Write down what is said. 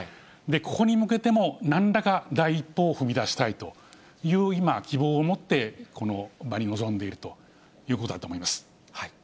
ここに向けても、なんらか第一歩を踏み出したいという、今、希望を持って、この場に臨んでいるということだと思います。